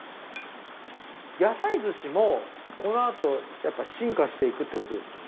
野菜寿司もこのあとやっぱり進化していくってことですよね。